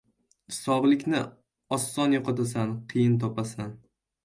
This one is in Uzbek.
• Sog‘likni oson yo‘qotasan, qiyin topasan.